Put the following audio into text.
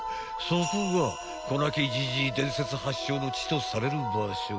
［そこが子泣き爺伝説発祥の地とされる場所］